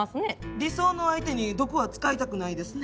理想の相手に毒は使いたくないですね。